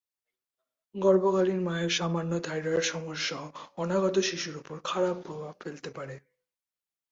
গর্ভকালীন মায়ের সামান্য থাইরয়েড সমস্যাও অনাগত শিশুর ওপর খারাপ প্রভাব ফেলতে পারে।